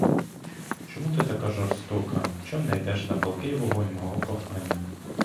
Чому ти така жорстока, чом не йдеш на палкий вогонь мого кохання?